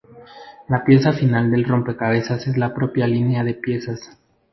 La pieza final del rompecabezas es la propia línea de piezas.